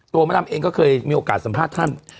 มดำเองก็เคยมีโอกาสสัมภาษณ์ท่าน